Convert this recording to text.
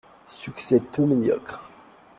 Succès peu médiocre.